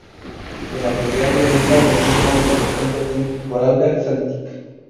En la actualidad milita en las filas del conjunto Team Vorarlberg-Santic.